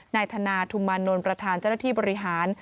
ธนาธุมมานนท์ประธานเจ้าหน้าที่บริหาร